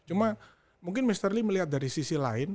cuma mungkin mr lee melihat dari sisi lain